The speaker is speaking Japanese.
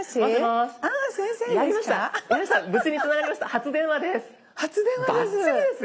初電話です。